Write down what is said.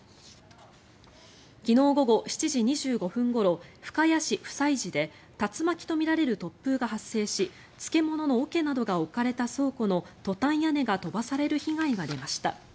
昨日午後７時２５分ごろ深谷市普済寺で竜巻とみられる突風が発生し漬物の桶などが置かれた倉庫のトタン屋根が飛ばされる被害が出ました。